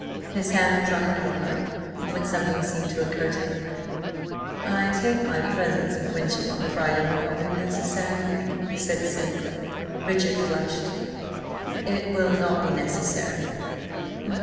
His hand was on the door knob, when something seemed to occur to him. "I take it my presence at Wyncham on Friday will not be necessary?" he said cynically. Richard flushed. "It will not be necessary."